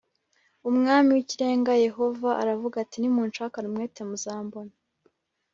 Umwami w’ Ikirenga Yehova aravuga ati nimunshakana umwete muzambona